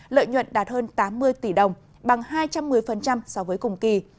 lợi nhuận đạt hơn tám mươi tỷ đồng bằng hai trăm một mươi so với cùng kỳ